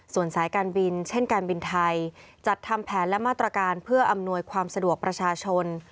ส่วนสายการบินเช่นการบินไทยจัดทำแผนและมาตรการเพื่ออำนวยความสะดวกประชาชน